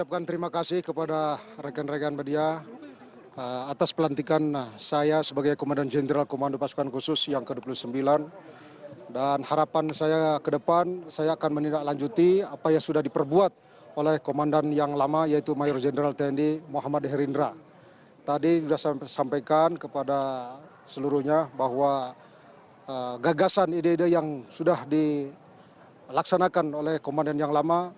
kami berharap seluruhnya bahwa gagasan ide ide yang sudah dilaksanakan oleh komandan yang lama